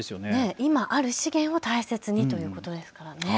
今ある資源を大切にということですからね。